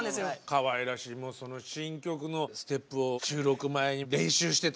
かわいらしいもうその新曲のステップを収録前に練習してた！